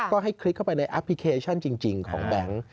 ก็ให้คลิกเข้าไปในแอปพลิเคชันจริงของแบงค์